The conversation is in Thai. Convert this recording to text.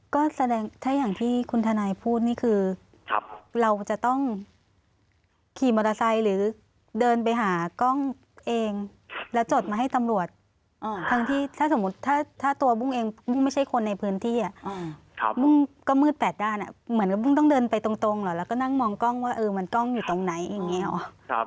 ก็แสดงถ้าอย่างที่คุณทนายพูดนี่คือเราจะต้องขี่มอเตอร์ไซค์หรือเดินไปหากล้องเองแล้วจดมาให้ตำรวจทั้งที่ถ้าสมมุติถ้าตัวบุ้งเองบุ้งไม่ใช่คนในพื้นที่บุ้งก็มืดแปดด้านเหมือนกับบุ้งต้องเดินไปตรงเหรอแล้วก็นั่งมองกล้องว่าเออมันกล้องอยู่ตรงไหนอย่างนี้หรอ